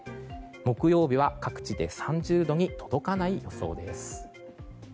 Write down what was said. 木曜日は各地で３０度に届かない予想です。